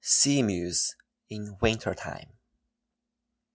SEA MEWS IN WINTER TIME.